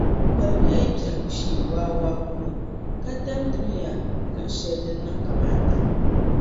Kolimiya yi bɛhigu shee waawaa kulo, ka damdimiya luɣushɛli din niŋ kamaata.